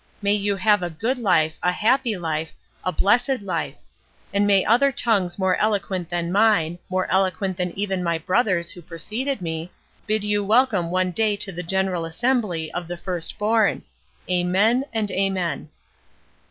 May you have a good life, a happy life, a blessed life; and may other tongues more eloquent than mine, more eloquent than even my brother's who preceded me, bid you welcome one day to the general assembly of the first born. Amen and amen."